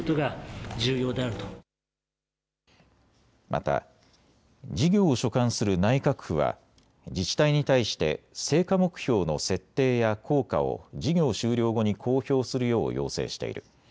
また、事業を所管する内閣府は自治体に対して成果目標の設定や効果を事業終了後に公表するよう要請している。